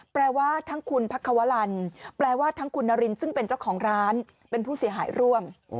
แปลว่าทั้งคุณพักควรรณแปลว่าทั้งคุณนารินซึ่งเป็นเจ้าของร้านเป็นผู้เสียหายร่วม